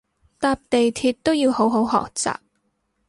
搭地鐵都要好好學習